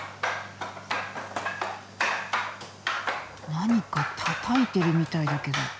何かたたいてるみたいだけど。